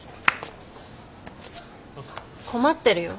困ってるよ。